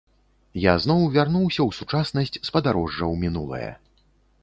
Я зноў вярнуўся ў сучаснасць з падарожжа ў мінулае.